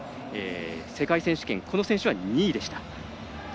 世界選手権この選手は２位でした。